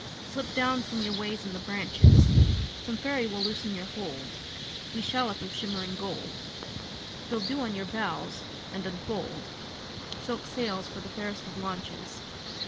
Slip down from your ways in the branches Some fairy will loosen your hold Wee shallop of shimmering gold. Spill dew on your bows and unfold Silk sails for the fairest of launches!